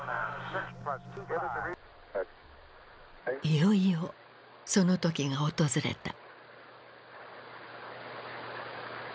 いよいよその時が訪れた。